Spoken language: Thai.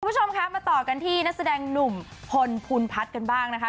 คุณผู้ชมคะมาต่อกันที่นักแสดงหนุ่มพลภูนพัฒน์กันบ้างนะคะ